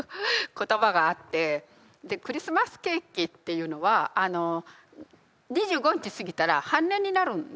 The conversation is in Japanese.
クリスマスケーキっていうのは２５日過ぎたら半値になるんですよね。